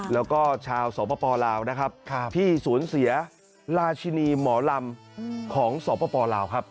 แล้วก็ชาวสปลาวนะครับที่สูญเสียราชินีหมอลำของสปลาวครับ